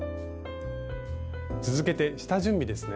続けて下準備ですね。